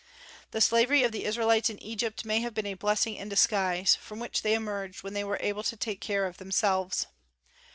The slavery of the Israelites in Egypt may have been a blessing in disguise, from which they emerged when they were able to take care of themselves.